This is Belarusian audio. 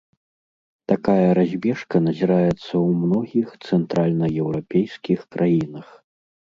Такая разбежка назіраецца ў многіх цэнтральнаеўрапейскіх краінах.